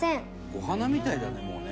「お花みたいだねもうね」